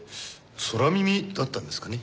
空耳だったんですかね？